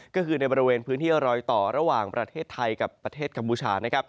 ก็คือในบริเวณพื้นที่รอยต่อระหว่างประเทศไทยกับประเทศกัมพูชานะครับ